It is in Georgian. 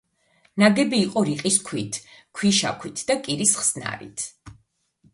ნაგები იყო რიყის ქვით, ქვიშაქვით და კირის ხსნარით.